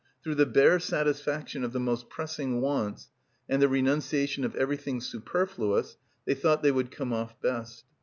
Through the bare satisfaction of the most pressing wants and the renunciation of everything superfluous they thought they would come off best.